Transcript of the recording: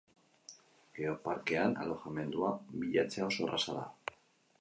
Geoparkean alojamendua bilatzea oso erraza da.